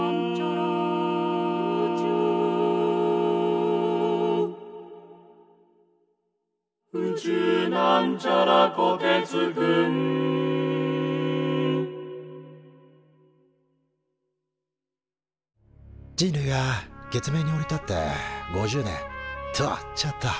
「宇宙」人類が月面に降り立って５０年とちょっと。